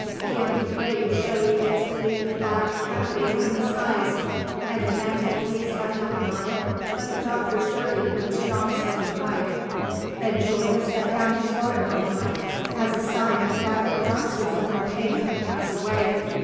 The empty grate showed its bleak black cavity undisguised; and the mantelpiece had nothing on it but the doctor's dirty and strong smelling pipe. Benjulia set down his watering pot, as a sign that the paroxysm of pain had passed away.